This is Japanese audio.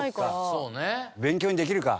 勉強にできるか。